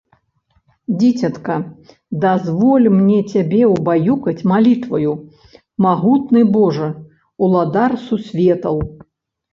Дзіцятка, дазволь мне цябе ўбаюкаць малітваю: "Магутны Божа, Уладар Сусветаў..."